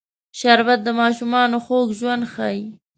شربت د ماشومانو خوږ ژوند ښيي